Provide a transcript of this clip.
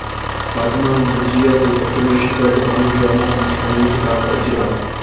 فاطمہ بجیا کے ترجمہ شدہ جاپانی ڈراموں پر مشتمل کتاب کا اجراء